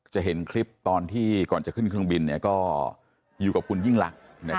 จะเห็นคลิปตอนที่ก่อนจะขึ้นเครื่องบินก็อยู่กับคุณยิ่งลักษณ์